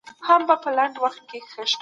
ایا غالب خپل دیوان په خپله لاسلیک کړی و؟